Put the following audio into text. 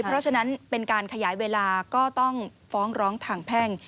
เพราะฉะนั้นเป็นการขยายเวลาก็ต้องฟ้องร้องทางแพ่ง